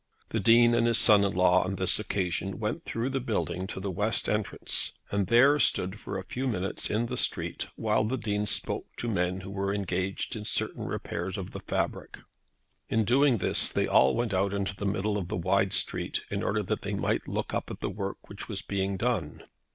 The Dean and his son in law on this occasion went through the building to the west entrance, and there stood for a few minutes in the street while the Dean spoke to men who were engaged on certain repairs of the fabric. In doing this they all went out into the middle of the wide street in order that they might look up at the work which was being done.